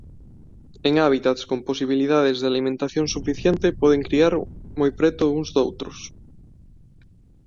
En hábitats con posibilidades de alimentación suficiente poden criar moi preto uns doutros.